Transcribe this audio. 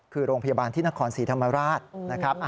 คือโรงพยาบาลที่นครศรีธรรมราชนะครับ